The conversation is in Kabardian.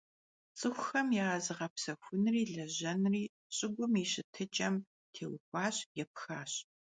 Ts'ıxuxem ya zığepsexunri lejenri ş'ıgum yi şıtıç'em têuxuaş, yêpxaş.